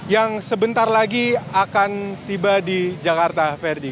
yang sebentar lagi akan tiba di jakarta ferdi